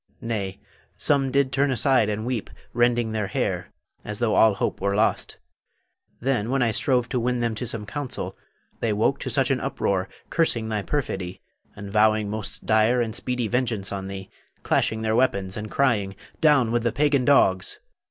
Nay, some did turn aside and weep, rending their hair, as though all hope were lost. Then, when I strove to win them to some counsel, they woke to such an uproar, cursing thy perfidy, and vowing most dire and speedy vengeance on thee, clashing their weapons and crying, "Down with the pagan dogs!"